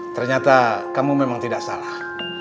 ternyata kamu memang tidak salah